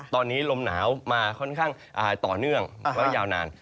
ตอนนี้ลมหนาวมาค่อนข้างต่อเนื่องแล้วก็ยาวนาน